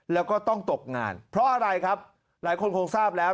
แล้วก็ต้องตกงานเพราะอะไรครับหลายคนคงทราบแล้ว